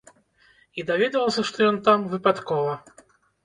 І даведалася, што ён там, выпадкова.